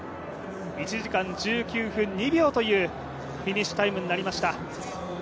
１時間１９分２秒というフィニッシュタイムになりました。